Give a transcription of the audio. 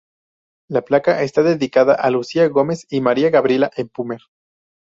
La placa está dedicada a Lucía Gómez y María Gabriela Epumer.